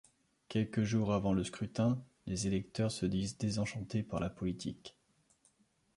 Quelques jours avant le scrutin, les électeurs se disent désenchantés par la politique.